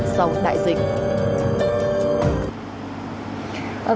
sau đại dịch